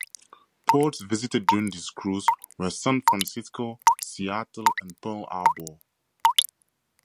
Ports visited during this cruise were San Francisco, Seattle, and Pearl Harbor.